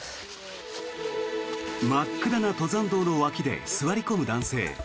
真っ暗な登山道の脇で座り込む男性。